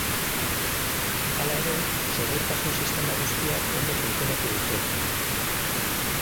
Hala ere, segurtasun-sistema guztiak ondo funtzionatu dute.